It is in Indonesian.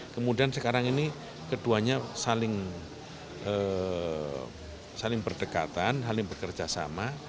kemudian sekarang ini keduanya saling berdekatan saling bekerjasama